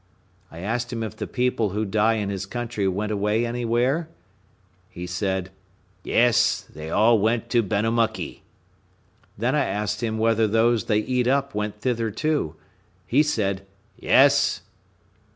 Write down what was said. I asked him if the people who die in his country went away anywhere? He said, "Yes; they all went to Benamuckee." Then I asked him whether those they eat up went thither too. He said, "Yes."